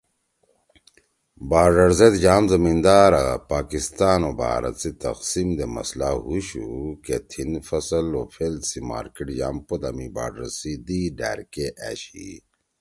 بارڈر زید یام زمیِدارا پاکستان او بھارت سی تقسیم سے مسئلہ ہُوشُو کہ تھیِن فصل او پھیل سی مارکیٹ یام پودا می بارڈر سی دئی ڈھاڑے أشی